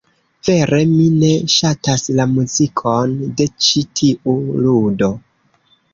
Vere, mi ne ŝatas la muzikon de ĉi tiu ludo.